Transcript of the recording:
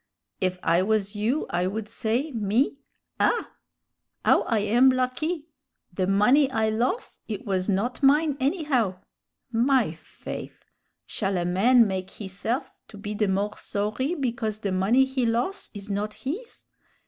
If I was you I would say, me, 'Ah! 'ow I am lucky! the money I los', it was not mine, anyhow!' My faith! shall a man make hisse'f to be the more sorry because the money he los' is not his?